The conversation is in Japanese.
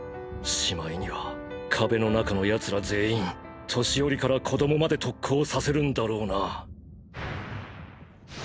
しまいには壁の中の奴ら全員年寄りから子供まで特攻させるんだろうな。